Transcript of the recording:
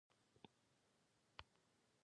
احتمالي ماضي د شاید او امکان ښکارندوی ده.